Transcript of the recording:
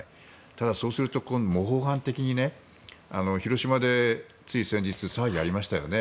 ただ、そうすると今度模倣犯的に広島でつい先日、騒ぎがありましたよね。